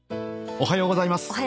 おはようございます。